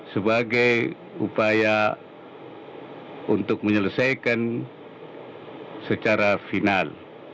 sebagai upaya untuk menyelesaikan secara final